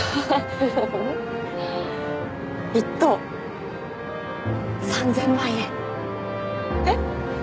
ううん１等３０００万円えっ？